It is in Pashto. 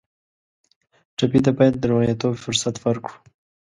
ټپي ته باید د روغېدو فرصت ورکړو.